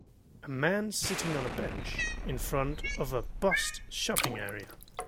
A man sitting on a bench in front of a bust shopping area